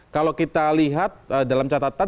kalau kita lihat dalam catatan